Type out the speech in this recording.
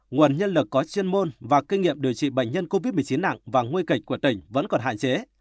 nguồn nhân lực có chuyên môn và kinh nghiệm điều trị bệnh nhân covid một mươi chín nặng và nguy kịch của tỉnh vẫn còn hạn chế